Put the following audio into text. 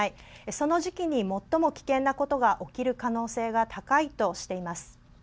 その時期に最も危険なことが起きる可能性が高いとしています。